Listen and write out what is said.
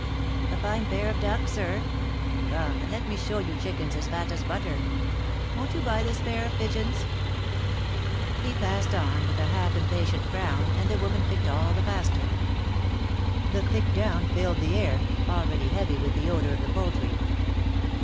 ^^A fine pair of ducks, sir ? Come, and let me show you chickens as fat as butter. Won^t you buy this pair of pigeons?" 88 THE MARKETS OF PARIS. He passed on with a half impatient frown, and the women picked all the faster. The thick down filled the air, already heavy with the odor of the poultry.